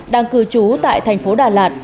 đang cư trú tại thành phố đà lạt